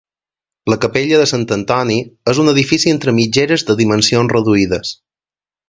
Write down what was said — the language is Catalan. La capella de Sant Antoni és un edifici entre mitgeres de dimensions reduïdes.